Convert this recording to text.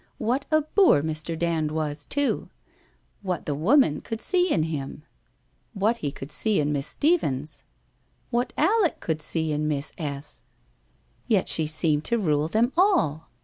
What a boor Mr. Dand was, too ! "What the woman could see in him ! What he could see in Miss Stephens! What Alec could 6ee in Miss S. ! Yet she seemed to rule them all?